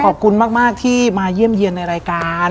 ขอบคุณมากที่มาเยี่ยมเยี่ยมในรายการ